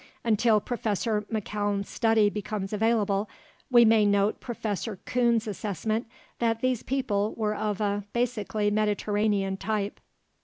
Until Professor McCown's study becomes available, we may note Professor Coon's assessment that these people were of a "basically Mediterranean type."